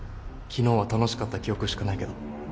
昨日は楽しかった記憶しかないけど。